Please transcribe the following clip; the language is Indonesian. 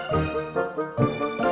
masih ada yang mau